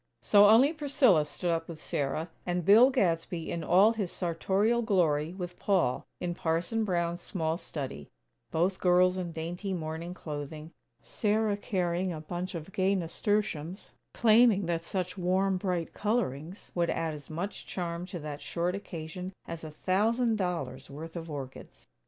So only Priscilla stood up with Sarah; and Bill Gadsby, in all his sartorial glory, with Paul, in Parson Brown's small study; both girls in dainty morning clothing; Sarah carrying a bunch of gay nasturtiums, claiming that such warm, bright colorings would add as much charm to that short occasion as a thousand dollars' worth of orchids.